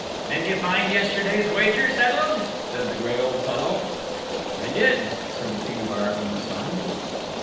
"Did you find yesterday's wager settled?" said the gray old fellow. "I did," said the King of Ireland's Son.